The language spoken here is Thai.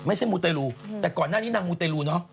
มูเตรลูแต่ก่อนหน้านี้นางมูเตรลูเนอะ